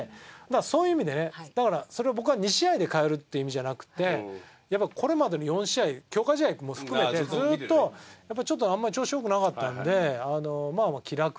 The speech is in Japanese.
そういう意味でねだからそれを僕は２試合で代えるって意味じゃなくてこれまでの４試合強化試合も含めてずっとやっぱりちょっとあんまり調子良くなかったんでまあ気楽に。